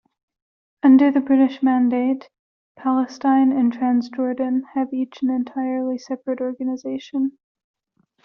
Under the British mandate, Palestine and Transjordan have each an entirely separate organisation.